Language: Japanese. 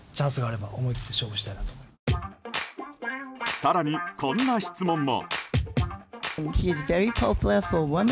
更に、こんな質問も。